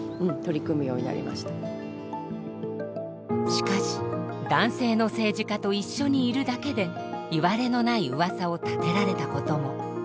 しかし男性の政治家と一緒にいるだけでいわれのないうわさを立てられたことも。